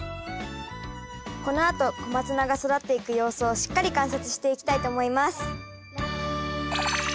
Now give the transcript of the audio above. このあとコマツナが育っていく様子をしっかり観察していきたいと思います。